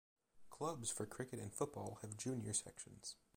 Clubs for cricket and football have junior sections.